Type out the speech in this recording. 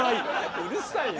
うるさいな。